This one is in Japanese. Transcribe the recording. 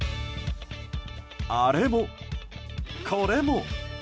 あれも、これも。